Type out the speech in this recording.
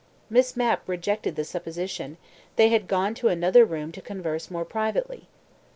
Miss Mapp rejected the supposition; they had gone to another room to converse more privately.